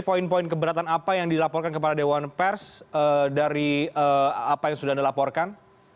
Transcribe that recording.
poin poin keberatan apa yang dilaporkan kepada dewan pers dari apa yang sudah anda laporkan